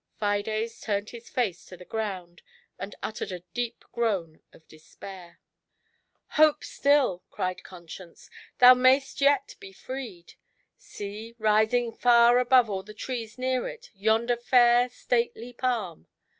Fides turned his face to the ground, and uttered a deep groan of despair. "Hope still," cried Conscience; "thou mayst yet be freed. See, rising far above all the trees near it, yonder fair, stately palm.